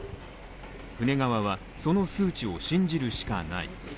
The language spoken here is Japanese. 船側はその数値を信じるしかない。